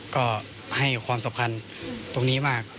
ก็ให้ความสำคัญตรงนี้มาก